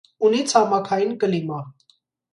Ունի ցամաքային կլիմա։